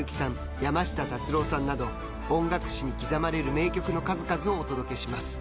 山下達郎さんなど音楽史に刻まれる名曲の数々をお届けします。